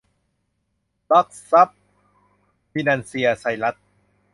หลักทรัพย์ ฟินันเซีย ไซรัส